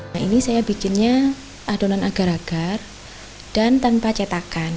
nah ini saya bikinnya adonan agar agar dan tanpa cetakan